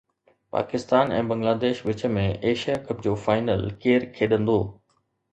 پاڪستان ۽ بنگلاديش وچ ۾ Asia cup جو final ڪير کيڏندو؟